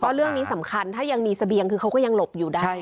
เรื่องนี้สำคัญถ้ายังมีเสบียงคือเขาก็ยังหลบอยู่ได้